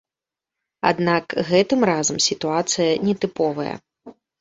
Аднак гэтым разам сітуацыя нетыповая.